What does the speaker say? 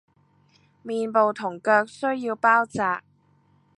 面部同腳需要包紥